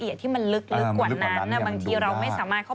พี่ชอบแซงไหลทางอะเนาะ